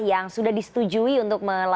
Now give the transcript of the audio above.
yang sudah disetujui untuk melakukan psbb